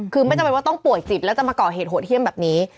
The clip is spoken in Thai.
คือไม่จำเป็นว่าต้องป่วยจิตแล้วจะมาก่อเหตุโหดเยี่ยมแบบนี้